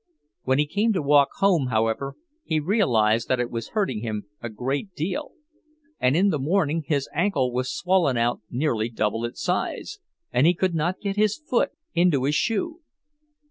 When he came to walk home, however, he realized that it was hurting him a great deal; and in the morning his ankle was swollen out nearly double its size, and he could not get his foot into his shoe.